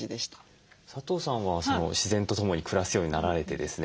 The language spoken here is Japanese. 佐藤さんは自然とともに暮らすようになられてですね